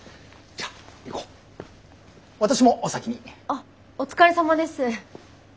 あっお疲れさまです。